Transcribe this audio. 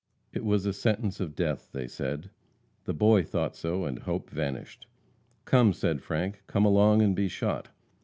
It was a sentence of death, they said. The boy thought so, and hope vanished. "Come," said Frank, "come along and be shot."